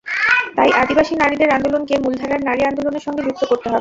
তাই আদিবাসী নারীদের আন্দোলনকে মূলধারার নারী আন্দোলনের সঙ্গে যুক্ত করতে হবে।